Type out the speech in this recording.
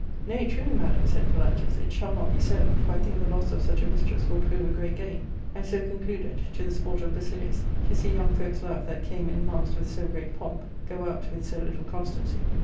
" Nay, truly, madam," said Phalantus, " it shall not be so ; for I think the loss of such a mistress will prove a great gain ;" and so concluded— to the sport of Basilius, to see young folks* love, that came in masked with so great pomp, go out with so little constancy.